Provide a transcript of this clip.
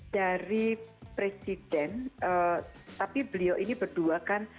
dari presiden tapi beliau ini berdua kan